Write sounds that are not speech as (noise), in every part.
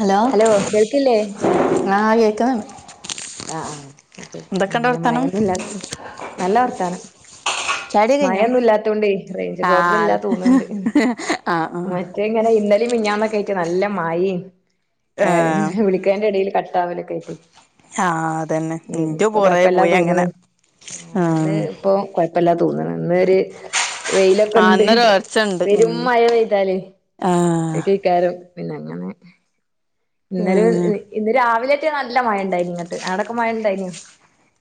Hello ആഹ് കേക്ന്ന്ണ്ട്. അ ആഹ് അ ശെരി ന്ന് വർത്താനം മയൊന്നുല്ലാത്തണ്ട് നല്ല വർത്താനം. ചാടി കഴിഞ്ഞോ മഴൊന്നും ഇല്ലാത്തോണ്ടേയ് റേയ്ഞ്ച് ആൽ പ്രോബ്ലല്ലാ തോന്ന്ണ്ട്. ഹ്മ് ആ ആ (unintelligible) ഇന്നലീ മിഞ്ഞാന്നൊക്കയിറ്റ് നല്ല മയിം ഏ ഏഹ് വിളി അന്റെടേല് കട്ടാവലൊകേട്ട്. ആഹ് അതന്നെ. ഉം ഇന്റെ ഇപ്പൊ പുറേ കൊഴപ്പല്ലാ പോയി അങ്ങനെ തോന്ന്ണ്. ആ ഉം ഇന്ന് ഇപ്പൊ കൊഴപ്പല്ലാ തോന്നണ്. ഇന്ന് ര്. ആ വെയിലൊക്കെണ്ട് ഹ് ഇന്നൊരു ഹ് ഒച്ചണ്ട് ഉം പെരും മയ പെയ്താല് ആ (unintelligible) കാരം പിന്നെങ്ങനെ. ഇന്നലെ ഉം ഇന്ന് രാവിലെറ്റെ നല്ല മഴണ്ടായിനിങ്ങട്ട് ട്ട് ആടക്കെ മഴ ഇണ്ടായിനൊ.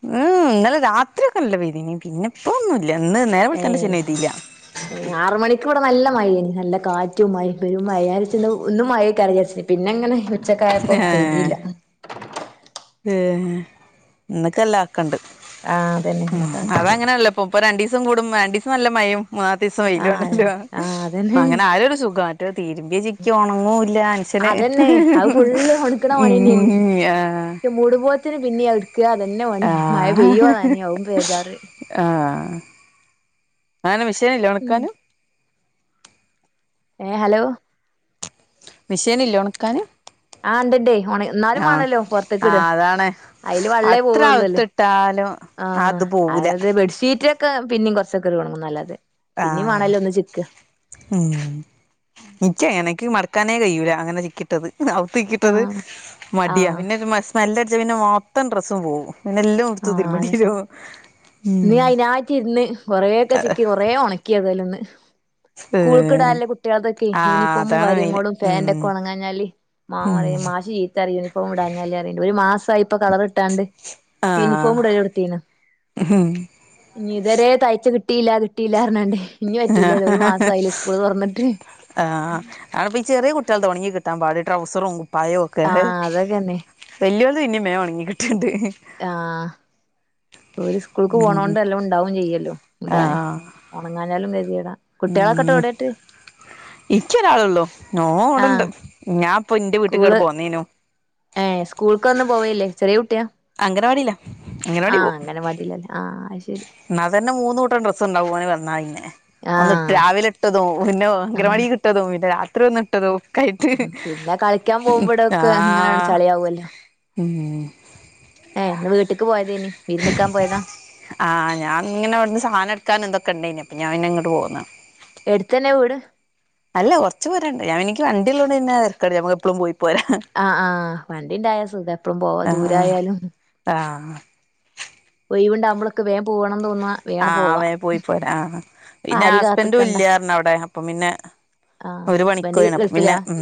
ഉം ഇന്നലെ രാത്രി ഒക്കെ നല്ല പൈ തീനി പിന്നെ ഇപ്പൊ ഒന്നുല്ല ഇന്ന് നേരെ വെളിതെയ് ന്റെഷംനൈതീല്ല. ഉം ആറ് മണിക്ക് വ്ടെ നല്ല മയെനി നല്ല കാറ്റും മയിം പെരും മയ (unintelligible) ഇന്നും മയയ്ക്കാരിച്ച്. പിന്നെങ്ങനെ ഉച്ചക്കായപ്പം പെയ് തില്ല. ഏഹ് ഹെ ഇന്നക്കെല്ല ആക്കണ്ട് ആഹ് അതന്നെ ഇന്ന് ഉം കാറ്റുണ്ട് അതാങ്ങനെല്ല. ഉ ഇപ്പോ രണ്ടീസം കൂടും രണ്ടീസം നല്ല മയയും. മൂന്നാത്തെ ദിസം ആഹ് വെയിലാണല്ലോ. ആഹ് അതന്നെ അങ്ങനെ ആയരു സുഖംമറ്റേത് തിരുമ്പി ചിക്ക് ഒണങ്ങൂല്ല. അതന്നെ അത് ഫുള്ള് ഒണക്കണ (unintelligible) ത്തിന് പിന്നെഇട്ക്ക അതന്നെ മണി മഴ പെയ്യോ ആഹ് നന്യോ അവും പേജാറ്. ആഹ്. അ അങ്ങനെ മിഷേന്ല്ലേ ഒണക്കാന്. ഏഹ് ഹലോ. മെഷേനില്ലേ ഒണക്കാന്. ആഹ് ണ്ട്ണ്ടേ ഒണ ന്നാലും വാണല്ലോ പൊർത്ത്ക്ക്ടാ. ട്ടാണ്. അയ്ല് വള്ളേ പോവൊള്ളല്ലോ ആഹ് അത് പോവൂല അത് ബെഡ്ഷീറ്റ് ക്ക പിന്നിം കൊർച്ചൊക്കറി ഒൺങ്ങുന്നല്ലാതെ. ആഹ്. ഉം നിക്കാ എനക്ക് മട്ക്കാനേ കയ്യൂല അങ്ങനെ ചിക്കി. ട്ടത് ഔതികിട്ടത് ആഹ് മടിയാ ആഹ് പിന്നെരു മ സ്മെല്ലട്ച്ചാ പിന്നെ മൊത്തം ഡ്രസ്സും പോവും. പിന്നെല്ലോട്ത് ആഹ് തിരിമ്പൻടെരോ ഉം. നായ്റ്റിര്ന്ന് കൊറേക്കെ ചിക്കി കൊറേ ഒണക്കി ഏതലുന്ന്. ഏ കൂൾക്ക്ടാല്ല കുട്ട്യൾതൊക്കെ ആ യൂനിഫോമും അതാണ് മെയിന് കാര്യങ്ങളും ഉം ഫാൻ്റൊക്കെ ഒണങ്ങാഞ്ഞാല്. മാ ഉം റീ മാഷീത്തറിം യൂണിഫോമ്ടാഞ്ഞല് അറിണ്ട് ഒരു മാസായിപ്പ കളർട്ടാണ്ട്. ആ ഇൻഫോം ഇടെലൊട്ത്തീണ്. ഉം ഇഞിതരെ തയ്ച്ച കിട്ടിയില്ല കിട്ടിയില്ലർഞ്ഞാണ്ടയ്. ഇഞ് വറ്റൂലല്ലോ ഒരു മാസായിലേ സ്കൂള് തൊർന്നിട്ട്. ആപ്പ ചെറ്യേ കുട്ട്യൾതാ ഒൺങ്ങി കിട്ടാം പാട് ട്രൗസറും കുപ്പായോം ഒക്കെ ഹവ്. ആഹ് അതൊക്കെന്നെ വെല്യോൽത് ഇന്നിം മേം ഒണങ്ങി കിട്ട്ണ്ട്. ആഹ് ഒര് സ്കൂൾക്ക് പോണോണ്ടല്ലോം ണ്ടാവും ചെയ്യല്ലോ ആ ഉടാന്. ഒണങ്ങാഞ്ഞാലും കെത്യേട കുട്ട്യാളൊക്കെട്ടെവ്ടെട്ട്. ഇക്ക്യൊരാളള്ളൂ നോ അവടെണ്ട് ആഹ് ഞാപ്പൊ ന്റെ വീട്ടിക്ക്ട് പോന്നേനു. ഏഹ് സ്കൂൾക്കൊന്ന് പോവല്ലേ ചെറിയ കുട്ട്യാ. അംഗനവാടിയിലാ ആഹ് അങനവാടീലല്ലേ ആഹ് ശരി. ന്നാ തന്നെ മൂന്നൂട്ടം ഡ്രസ്ണ്ടാവും ഓന് വന്നാ വിന്നെ ഒന്ന്ട്ട് ആഹ് രാവിലെട്ടതും പിന്നെ. ആഹ് അങ്കലാവാടീക് ട്ടതു പിന്നെ രാത്രി ഒന്ന്. ട്ടത് ഒക്കായിട്ട് പിന്നെ കളിക്കാൻ ഉം പോകുമ്പോടൊക്കെ അങ്ങനെ ആഹ് ചളിയാവുമല്ലോ ഉം. ഏഹ് ന്ന് വീട്ട്ക്ക് പോയതേനി വിര്ന്ന്ക്കാം പോയതാ. ആഹ് ഞാങ്ങനെവട്ന്ന് സാധനട്ക്കാനും തൊക്കെണ്ടയ്നി അപ്പ ഞാപിന്നെ ങ്ങട്ട് പോന്ന്. എട്ത്തന്നെ വീട്. അല്ല കൊർച്ച് പൊരാണ്ട് ഞാൻ എനിക്ക് വണ്ടിള്ളോണ്ട് ന്നെ തര്ക്കടില്ല ഞമ്മക്ക് എപ്പളും പോയി പോര. ആഹ് ആഹ് വണ്ടിണ്ടായ സുഖാ എപ്പളും പോവാ ആഹ് ദൂരായാലും. ആഹ്. ഒയ്വ്ണ്ടാവുമ്പളൊ ആഹ് വേം പോയി പോരാ ആഹ് പിന്നെ ആരിം ഹസ്ബൻഡും കാത്ത്ക്കണ്ട ഇല്ലാർഞ്ഞ് അവുടെ. പ്പം പിന്നെ. ആഹ് ഓര് ഹസ്ബൻഡ് പണിക്കോയീണ് അപ്പ പിന്നെ ഗൾഫിലാ ഉം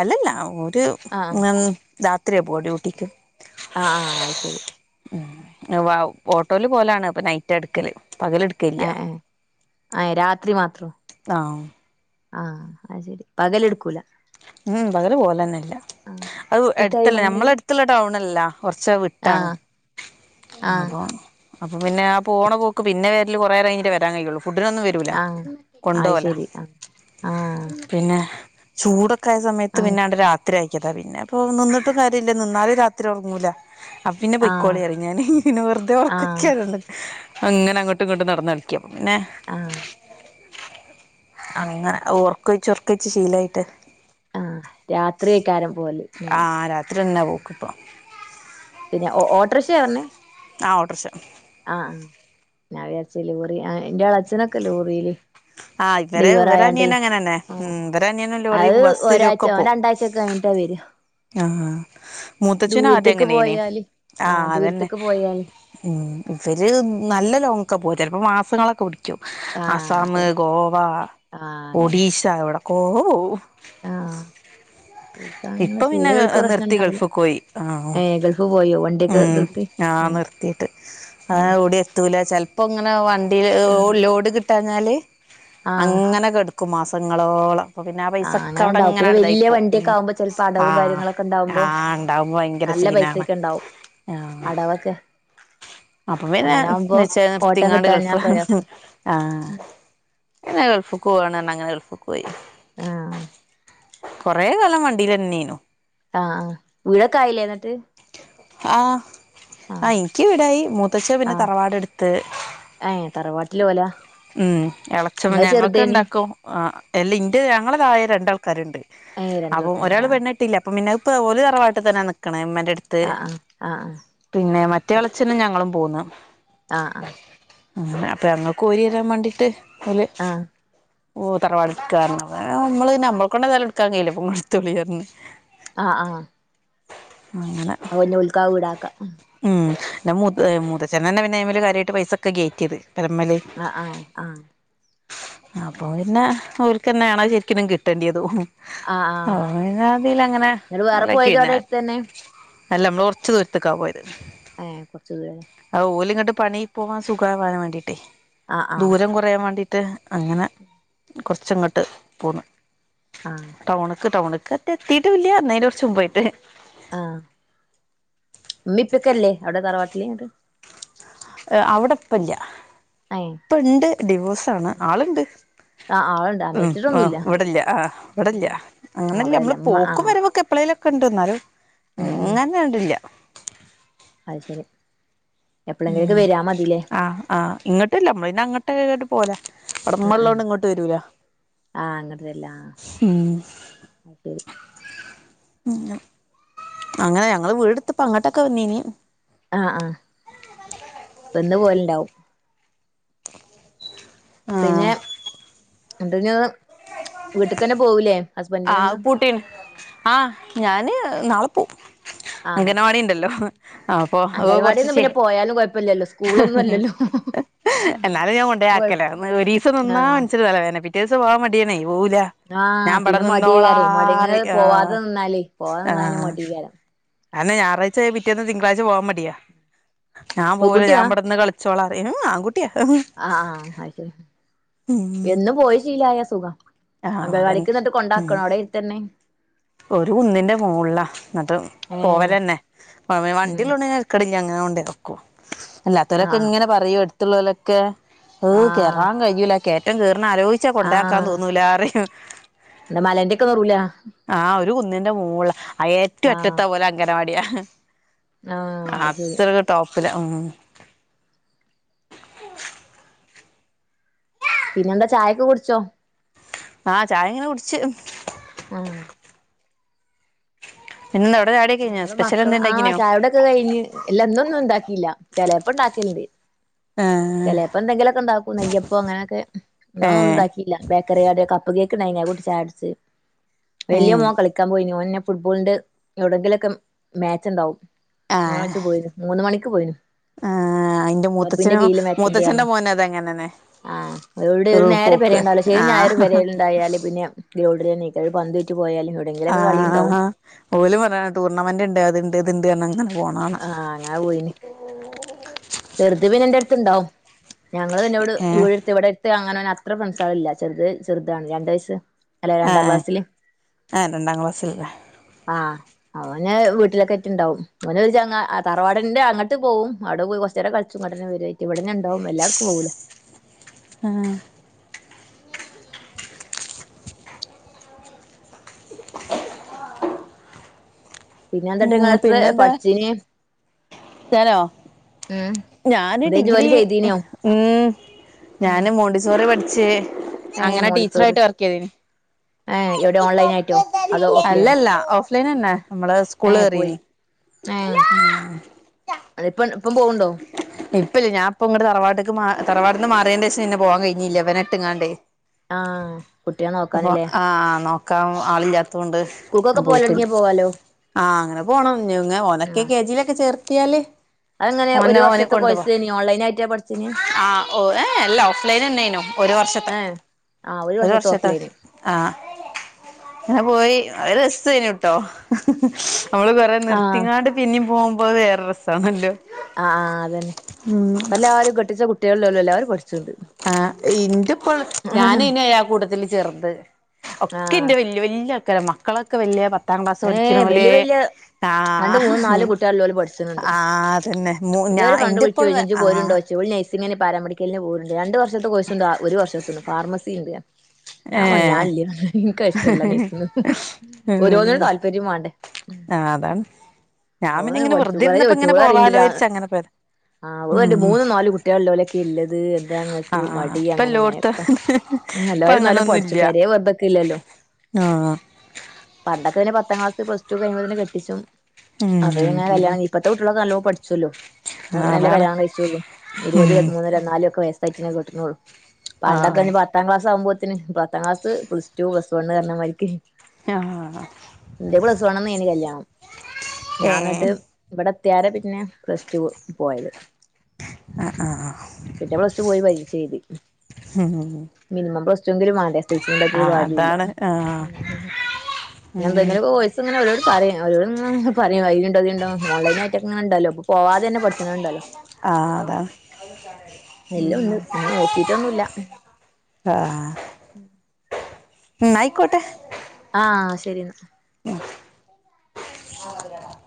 അല്ലല്ല ഒര് നി രാത്രിയാ പോരൂ. അ ആഹ് ശരി. ഉം വൗ ഓട്ടോല് പോലാണ് അപ്പം നൈറ്റാ ഇട്ക്കല് പകല്‌ട് എ ഏഹ് എ രാത്രി മാത്രോ. ആഹ്. ആഹ് അത് സരി പകല്ട്ക്കൂല. ഉം പകല് പോലെന്നെല്ല. ഔ മിഠായി എട്ത്തല്ല വാങ്ങിയേ ഞമ്മളെട്ത്ത്ള്ള ടൗണല്ല കൊർച്ച വിട്ടാണ്. ആഹ് ആഹ് അപൊ അപ്പൊപിന്നെ ആ പോണ പോക്ക് പിന്നെ വെര്ല് കൊറേരം കയ്ഞ്ട്ടേ വരാകയ്യോള്ളൂ ഫുഡിനൊന്നും വ ആഹ് അയ് ശരി അ ആഹ്. ചൂടൊക്കായ സമയത്ത് ആഹ് പിന്നെണ്ട് രാത്രി ആക്ക്യതാ പിന്നെ പ്പോ നിന്നിട്ടും കാര്യല്ല നിന്നാലും രാത്രി ഒർങ്ങൂല. അപ്പ പിന്നെ പൊയ്ക്കോളി ആഹ് അറിം ഞാന് ങ്ങന വെർതെ ഒർക്കൊ ആഹ് (unintelligible) അങ്ങനങ്ങട്ടും ങ്ങട്ടും നടന്നൾക്ക്യും പിന്നെ. ആഹ് അങ്ങ ഒർക്കൊയ്ച് ഒർക്കൊയ്ച് ശീലയ്ട്ട്. ആഹ് രാത്രിയേക്കാരം പോവല് ഇങ്ങനെ ആഹ് രാത്രിന്നെ പോക്ക്പ്പം. പിന്നെ ഒ ഓട്ടർശെ പർഞ്ഞേ. ആഹ് ഓട്ടർഷ ആഹ് ആഹ് ഞാൻ വിചാര്ച്ച് ലോറി ആഹ് ഇന്റെ എളച്ചനൊക്കെ ലോറില് ആ ഇവരെ ഇവരനിയൻ അങ്ങനെന്നെ മ് ആഹ് ഇവരനിയൻ ലോറി, ബസ്സ്ൽ ഒക്കെ പോവും. ക്കേ കഴിഞ്ഞ്ട്ടാ വരാ ആഹ് മൂത്തച്ഛനും ആദ്യ ദൂരത്ത്ക്ക് ങ്ങനെ നീ പോയാല് ആഹ് അതന്നെ. ദൂരത്ത്ക്ക് പോയാല് മ് ഇവര് നല്ല ലോങ്ങൊക്കെ പോ ചെലപ്പോ മാസങ്ങളൊക്കെ പ്ടി ആഹ് ആസാമ്, അതന്നെ ഗോവ, ആഹ് അങ്ങനെ ഒഡീഷ എവടക്കോ പോവും. ആഹ് ഇപ്പൊ (unintelligible) പിന്നെ ശീലോൾക്ക് പ്രശ്നം നിർത്തി ണ്ടാവൂല്ല. ഗൾഫിക്ക് പോയി ആ ഏഹ് ഗൾഫ് പോയോ വണ്ടിക്കെ ഉം നിർത്തി? ആഹ് ഏ നിർത്തീട്ട് ആ അഹ് എഒടിം എത്തൂല ചെൽ പ്പൊ ങ്ങനെ വണ്ടീൽ ഹ് ആ ഹോ ലോഡ് കിട്ടാഞ്ഞാല് ആ അങ്ങനെ കെട് ക്കും മാസങ്ങളോളം അപ്പ പിന്നെ ആ പൈസക്ക അങ്ങനെ ഉണ്ടാവും പിന്നെ അഒടെങ്ങനാണ്ട് വലിയ തായിപ്പോ വണ്ടിയൊക്കെ ഉം. ആകുമ്പോ ചിലപ്പോ അടവും ആഹ് കാര്യങ്ങളൊക്കെ ഉണ്ടാവുമ്പോ ആഹ് ഇണ്ടാവുമ്പോ ഭയങ്കര സീനാണ്. ആഹ് അടവക്കെ? അപ്പൊ പിന്നെ വെച്ചാ ഓട്ടം നിർത്തിങ്ങാണ്ട് കിട്ടാഞ്ഞാ ഗൾഫ് പ്രയാസം ആഹ് (unintelligible) ഗൾഫ്‌ക്ക് പോവാണ് പറഞ്ഞ് അങ്ങനെ ഗൾഫ്‌ക്ക് പോയി. ആഹ് കൊറേ കാലം വണ്ടീലന്നെനു. ആഹ് ആഹ് വീടൊക്കെ ആയില്ലേ ന്ന്ട്ട്? ആഹ് അഹ് ഇൻക്കി വീടായി മൂത്തച്ചൻ പിന്നെ തറവാട് ട്ത്ത്. ഏഹ് തറവാട്ട്ല് ഓല? ഉം എളച്ചൻ പിന്നെ ഞങ്ങൾക്ക് രണ്ടാക്കും ആ എല്ലേ ഇന്റെ ഞങ്ങളെ തായേ രണ്ടാൾക്കാര്ണ്ട്. ഏ അപ്പൊ രണ്ടാൾക്കാരുണ്ട് ഒരാൾ ആ പെണ്ണട്ടില്ല അപ്പം പിന്നെ അഹ്പ്പൊ ഓല് തറവാട്ട് തന്നെ നിക്ക്ണേ ഇമ്മ ട്ത്ത് ആ ആ പിന്നെ മറ്റേ എളച്ചനെ ഞങ്ങളും പോന്ന്. ആഹ് ആഹ് അങ്ങന അപ്പം ഞങ്ങൾക്ക് ഓരി തരാൻ മാണ്ടിട്ട് ഓല് ആഹ് ഓഹ് തറവാട് ട്ക്കാ അർഞ്ഞ് പ്പ ഇങ്ങള് നമ്മൾ കൊണ്ടതയാലും ട്ക്കാൻ കഴയില്ല പ്പ ങ്ങള് ത്തോളീ ർഞ്ഞ്. (inaudible) ആഹ് ആഹ് അങ്ങനെ (unintelligible) ഉൽക്കാവ് വ്ടാക്ക ഉം ന്ന മൂ മൂതച്ഛനന്നെ പിന്നെ അയ്മല് കാര്യായിട്ട് പൈസൊക്കെ കേറ്റിത് പെരമ്മല്. അഹ് അഹ് ആഹ് ആഹ് അപ്പൊ പിന്നെ ഓൽക്കന്നേണഹ് ശരിക്ക്നും കിട്ട്യണ്ടതും. ആഹ് ആഹ് ഓനതിൽ അങ്ങനെ ഇങ്ങള് വേറെ ഒലക്കി പോയത് ന്നെ അവിടെ അടുത്ത് തന്നെ എല്ല മ്മള് കൊർച്ച് ദൂരത്തക്കാ പോയത്. ഹേം കൊർച്ച് ദൂരലേ. ആഹ് ഓല് ങ്ങട്ട് പണി പോവാൻ സുഖാവാൻ വാണ്ടിട്ടേ. ആഹ് ആഹ് ദൂരം കൊറയാൻ മാണ്ടിയിട്ട് അങ്ങനെ കൊർച്ചങ്ങട്ട് പോന്ന്. ആഹ് ടൗണ്ക്ക് ടൗണ്ക്ക് എത്തീട്ടും ല്ല്യ ന്ന അയിൻ്റെ കൊർച്ച് മുമ്പായിട്ട്. ആഹ് ഇമ്മിം ഇപ്പക്കല്ലേ അഒടെ തറവാട്ട്ല് ങ്ങട്ട്? അഒടെ പ്പല്ല്യ ഏഹ് ഇപ്പ ണ്ട് ഡിവോഴ്സാണ് ആള്ണ്ട്. ആഹ് ആളുണ്ട് ആഹ് ഹ് ആഹ് മരിച്ചിട്ടൊന്നുല്ല ഇവടല്ല്യ ആഹ് ഇവടല്ല്യ ഉം അങ്ങനെല്ല മ്മള് അവിടെല്ല ഇമ്മ പോക്കും ആഹ് വരവൊക്കെ എപ്പളേല് ക്ക്ണ്ട് ന്നാലും ഉം ഉം അങ്ങനാണ്ട് ല്ല്യ. അത് ശരി എപ്പളെങ്കിലൊക്കെ വരാ മതില്ലേ? ആഹ് ആഹ് ഇങ്ങട്ട്ല്ല മ്മള് ന്നെ അങ്ങട്ട് പോകല ഉം ഉം അവടമ്മള്ളോണ്ട് ഇങ്ങോട്ട് വരൂല. ആഹ് അങ്ങട്ട് വര്ലാ അഹ് ശരി മ് ഞ്ഞം അങ്ങനെ ഞങ്ങള് വീട്ത്തപ്പം അങ്ങട്ടക്കെ വന്നീനി. ആ ആ ബന്ന് പോലെണ്ടാവും ആഹ് പിന്നെ എന്തന്ന് വീട്ടക്ക്ന്നെ പോവൂലേ ആ ഹസ്ബൻഡിനന്ന് പൂട്ടീണ് ആ ഞാന് നാളെ പോവും അംഗനവാടി ണ്ടല്ലോ അംഗൻവാടിന്നും പിന്നെ പോയാലും കുഴപ്പല്ലല്ലോ എന്നാലും ഞാൻ കൊണ്ടേ ആക്കല ന്ന് ഒരീസം നിന്നാ ആഹ് മൻസന് തലവേന പി റ്റേസം പോവാൻ മടി ആണെയ് ഓവൂല ആഹ് ഞാൻ ബടെ പിന്നെ മടിയേക്കാരെ മടി ഇങ്ങനെ നിന്നോലാറി ആ പോവാതെ നിന്നാലേ പോവാതെ ആ നിന്നാ പിന്നെ മടിയേക്കാരം അന്ന് ഞായറാഴ്ച ആയ പിറ്റേന്ന് തിങ്കളാഴ്ച പോവാൻ മടിയാ ഞാൻ പോവൂല പെൺകുട്ടിയാ ഞൻവിടെന്ന് ക്ളി ച്ചോളറി ഏ ആങ്കുട്ടിയ ആ അത് ശരി എന്ന് പോയി ശീലായ സുഖ ആഹ് അങ്കൽ അതന്നെ വാടീക്ക്‌ ന്നിട്ട് ഉം കൊണ്ടാക്കണോ അവിടെ എര്ത്തന്നെ ഒരു കുന്നിന്റെ മോൾള അത് ഏഹ് പോവലന്നെ വ വ ഉം വണ്ടിള്ളോണ്ട് തെര് ക്കടില്യ അങ്ങനെ കൊണ്ടേക്കും അല്ലാത്തോലൊക്കെ ആഹ് ങ്ങനെ പറയോ എടുത്തുള്ളോലൊക്കെ അഹ് കേ ആഹ് വാൻ കഴഞ്ഞൂല കയറ്റം കയറണ ആലോചിച്ചാ കൊണ്ടാക്കാൻ ആഹ് തോന്നൂലാ റിം എന്താ മലേന്റെക്കെറൂല ആ ഒരു കുന്നിന്റെ മൂള് ആഹ് ഏറ്റവുംറ്റത്ത ഓലെ അംഗനവാടി ആഹ് അത് ശരി അത്ര ടോപ്പില ഉം പിന്നെന്താ ചായൊക്കെ കുടിച്ചോ ആ ചായ ങ്ങനെ കുടിച്ച് ആഹ് പിന്ന് അവിടെ ചായടിക്കയ്ഞ്ഞോ സ്പെഷൽ എന്തേംണ്ടാക്കിനോ ക്ക് കഴിഞ്ഞ് എല്ലന്നും ഒന്നും ഉണ്ടാക്കില്ല ചിലപ്പോ ഉണ്ടാക്കല്ണ്ട് ചെലെ പ്പൊന്തെങ്കിലൊക്കെണ്ടാക്കും നെയ്യപ്പൊ ങ്ങനൊക്കെ ന്നാ ഏ ഒന്നും ഉണ്ടാക്കിയില്ല ബേക്കറികടി കപ്പ് കേക്ക്ണ്ടായ്ന് അവ് കൂട്ടി ചായട്ച്ച് ഏ വലിയ മോ കളിക്കാൻ പോയിന് ഓൻന്നെ ഫുട്ബോളിന്റെ എവിടെങ്കിലൊക്കെ മാച്ച് ഉണ്ടാവും ആ ആഴിച്ച പോയിന് മൂന്ന് മണിക്ക് പോയിന് ആ യിന്റെ ക്ലബ്ബിന്റെ മൂത്തച്ഛനും മൂത്തച്ഛ്ന്റെ മോനും അത അങ്ങനന്നെ ആ എവടെ ഒരു നേരം പരേൽ ണ്ടാവൂല ശനിയും ഞായറും ആഹ് പരെല് ണ്ടായാല് പിന്നെ ഗ്രാണ്ടിലെന്നേക്കാരം ഒര് പന്ത്യ്റ്റ് പോയാല് ആ എവിടെങ്കിലൊക്കെ കളിണ്ടാവും ഓല് പറയാണ് ടൂർണമെന്റ് ണ്ട് അത്ണ്ട് ഇത്ണ്ട് അങ്ങന ആ അങ്ങനെ പോയിന് ചെർത് പിന്നെ ന്റെടുത്ത്ണ്ടാവും ഞങ്ങൾ പിന്നെട് ഏഹ് വീട് ടുത്ത് ഇവിടെ ത്ത് അങ്ങനെ ഓന് അത്ര ഫ്രണ്ട്സള് ല്ല ചെറുത് ചെറുതാണ് രണ്ട് വയസ് അല്ല രണ്ടാം ആഹ് ക്ലാസില് ആഹ് രണ്ടാം ക്ലാസ്സിലല്ലേ ആ അവന് വീട്ടിലൊക്കെ ആയിട്ടുണ്ടാവും അവന് ഒര് ചെങ്ങാ തറവാടിന്റെ അങ്ങട്ട് പോവും അവിടപോയി കൊർച് ച്ചേരം കൾച്ചുംഇങ്ങട്ടന്നേ വരും ഇവിന്നെണ്ടാവും ല്ലാട്ക്കും പോകൂല ആഹ് (unintelligible) പിന്ന എന്തട്ട് ഉം ഇങ്ങള് ത്രെ പഠിച്ചിനി തേലോ ഉം ഞാന് എന്തേ ജോലി ഡിഗ്രി ചെയ്തീനോ ഉം ഉം ഞാന് മോണ്ടിസോറി പട്ച്ച് ഏഹ് അങ്ങനെ മോണ്ടിസോറി ടീച്ചറായിട്ട് വർക്ക് ചെയ്തിന് ഏഹ് എവിടെ ഓൺലൈൻ ആയിട്ടോ അതോ ഓഫ് ലൈനോ അല്ലല്ല ഓഫ്‌ലൈനന്നെ നമ്മള സ്കൂള് കേറീനി ഏ അതിപ്പൊൻ ഇപ്പം പോവുണ്ടോ? ഇപ്പല്ല ഞാൻ ഇപ്പ ഇങ്ങട്ട് തറവാട്ട്ക്ക് മാ തറവാട് ന്ന് മാറിയേണ്ടശം ന്ന പോവാൻ കഴിഞ്ഞില്ല ഇവനെട്ട്ങ്ങാണ്ടേ ആഹ് കുട്ടിയെ അപ്പൊ നോക്കാന്ല്ലേ ആഹ് നോക്കാൻ ആളില്ലാത്തൊണ്ട് സ്കൂൾക്കൊക്കെ ഞാൻ പോയിട്ടില്ല പോവലൊടങ്ങിയാ പോവാലോ ആ അങ്ങനെ പോണം ഞ്ഞി ങ്ങെ ഓനെക്കെ കെ ജി ലൊക്കെ ചേർത്തിയാല് അതങ്ങനെ ഒരു ഓനെ ഓനെ വർഷത്തെ കൊണ്ടുപോ കോഴ്സേയ്നി ഓൺലൈനായിട്ടാ പഠിചീനി ആഹ് ഓ ഏഎ എല്ലാ ഓഫ്‌ലൈനെന്നേയ്ന്നു ഒരു വർഷത്തെ ഏഹ് ആഹ് ഒരു വർഷത്തെ ഓഫ്‌ലൈന് ആഹ് അങ്ങനെ പോയി രസ്സേയ്നി ട്ടോ നമ്മള് ആഹ് നിർത്തിങ്ങാട് പിന്നിം പോകുമ്പോ അത്‌ വേറൊരുരസാണല്ലോ ആഹ് ആഹ് അതന്നെ പ്പല്ലാരും കെട്ടിച്ച കുട്ടിയാൾള്ളോലും ല്ലാരുംപഠിച്ച്ണ്ട് ആഹ് ഇന്റെപ്പോൾ ഞാനെയ്നു ആ കൂട്ടത്തിൽ ചെർത് ഒക്കെ ആഹ് ഇന്റെ വല്യാ വല്ല്യ വല്ല്യ ആൾക്കാരാ മക്കളൊക്കെ വല്ല്യാ പത്താം ക്ലാസ് ഏഹ് പഠിക്ക്ണോല് വല്യ വല്യ രണ്ട് മൂന്നും ആഹ് നാലും കുട്ടികളുള്ളോല് പഠിച്ച്ണുണ്ട് ആഹ് അതന്നെ മു ഞാ ഇന്റെപ്പോള്ളെ ആഹ് ങ്ങിനെ പാരാമെഠിക്കലിന് പോനുണ്ട് രണ്ട് വർഷത്തെ കോഴ്സ്ണ്ട് ആ ഒരു വർഷത്തത് ഫാർമസി ണ്ട് ഞാൻ പറഞ് ഏഹ് ഞാനില്ല നിക് അത് ഇഷ്ടല്ല നസിങ് ഓരോനിന്നും ഉം താല്പര്യം വാണ്ടേ ആഹ് അതാണ് ഞാൻ ഓള് പിന്നെങ്ങനെ പഠിച്ചു വെറുതെ കൊറേ ഇരുന്നപ്പോ ചോയ്ച്ചു ഇങ്ങനെ ഓള് പറയ്ണ്ട് രാ പോവാലോര്ച്ച് അങ്ങനെ പോയതാ ആഹ് ഓന്റ് ഉം മൂന്ന് നാല് കുട്ടിയാൾ ള്ളോലോക്കെ ഇല്ലത് എന്താ ങ്ങക്ക് ആഹ് മടി ഇപ്പ അങ്ങനെ ഇങ്ങനെ ഒക്കെ എല്ലോട്ത്തും പർഞ്ഞ് ഇപ്പ എല്ലാരും നല്ല പഠിച്ചു പെരേല് വെറുതക്കല്ലല്ലോ ആ ആഹ് പണ്ടൊക്കെ പിന്നെ പത്താം ക്ലാസ് പ്ലസ്ടു കഴിയുമ്പോത്തിനന്നെ കെട്ടിച്ചും അവര്ങ്ങനെ ഉം കല്ല്യാണം ഇപ്പത്തെ കുട്ടികളൊക്കെ നല്ലോം പഠിച്ചല്ലോ അതാണ് (unintelligible) കഴിച്ചുള്ളൂ ഇരുപത് ഉം ഇരത്മൂന്ന് ഇരു ന്നാലൊക്കെ വയസ്സായിട്ടന്നേ കേട്ട്നൊള്ളു പണ്ടൊക്കെ ആഹ് ഞ്ഞി പ പത്താംക്ലസ് ആവുമ്പോത്തിന് പത്താംക്ലാസ് പ്ലസ്റ്റു പ്ലസ്സ് വൺ പറഞ്ഞമായിരിക്ക് ആഹ് ന്റെ പ്ലസ്സ് വണ്ണിന്നേയിനി കല്യാണം ഏഹ് ഞാൻന്നട്ട് ഇബടെത്തിയാരെ പിന്നെ പ്ലസ്ടു പോയത് അ ആഹ് പിന്നെ പ്ലസ്ടു പോയി പരീക്ഷ എഴുതി ഉം മിനിമം പ്ലാസ്റ്റു എങ്കിലും വാണ്ടേ എസ് എൽ സി ഒന്നും ഉണ്ടായിട്ടൊന്നും ആഹ് കാര്യല്ലാ അതാണ് ആഹ് ഉം എന്തങ്ങനെ വോയിസ്ങ്ങനെ ഒരോട് പറിം ഓരോട് (unintelligible) ഐല്ണ്ടോ ഇതില്ണ്ടോ ഓൺലൈനായിട്ട്ങ്ങനെണ്ടല്ലോ അപ്പോ പോവാതെന്നെഠിച്ചനണ്ട ല്ലോ ആഹ് അതാണ് എല്ലുണ്ട് ഒന്നും നോക്കിട്ടൊന്നുല്ല ആഹ് ഉം ന്നായിക്കോട്ടെ ആഹ് ശെരിന്നാ ആഹ്